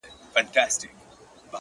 ستا د شعر دنيا يې خوښـه سـوېده،